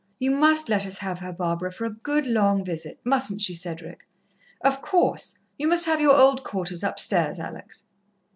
You must let us have her, Barbara, for a good long visit. Mustn't she, Cedric?" "Of course. You must have your old quarters upstairs, Alex."